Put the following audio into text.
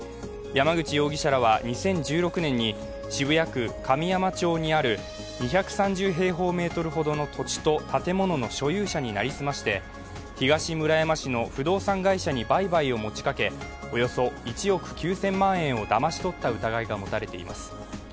山口容疑者らは２０１６年に、渋谷区神山町にある２３０平方メートルほどの土地と建物の所有者に成り済まして東村山市の不動産会社に売買を持ちかけおよそ１億９０００万円をだまし取った疑いが持たれています。